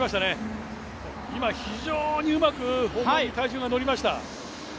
今、非常にうまく砲丸に体重が乗りました。